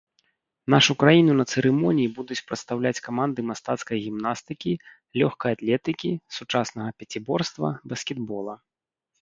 Нашу краіну на цырымоніі будуць прадстаўляць каманды мастацкай гімнастыкі, лёгкай атлетыкі, сучаснага пяціборства, баскетбола.